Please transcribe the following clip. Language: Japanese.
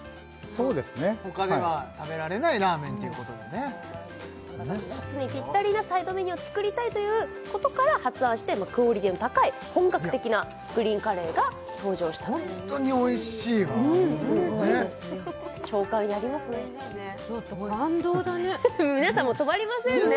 そうですねほかでは食べられないラーメンということでね夏にぴったりなサイドメニューを作りたいということから発案してクオリティーの高い本格的なグリーンカレーが登場したとホントにおいしいわねっ長官やりますね感動だね皆さんもう止まりませんね